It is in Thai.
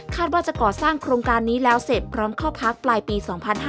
ว่าจะก่อสร้างโครงการนี้แล้วเสร็จพร้อมเข้าพักปลายปี๒๕๕๙